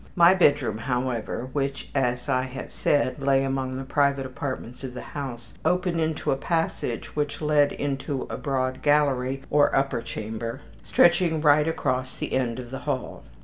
My bedroom, however, which, as I have said, lay among the private apartments of the house, opened into a passage which led into a broad gallery, or upper chamber, stretching right across the end of the hall.